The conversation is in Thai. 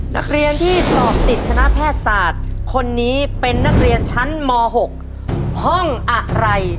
นักเรียนที่สอบติดคณะแพทย์ศาสตร์คนนี้เป็นนักเรียนชั้นม๖ห้องอะไร